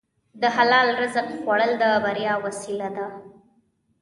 د حلال رزق خوړل د بریا وسیله ده.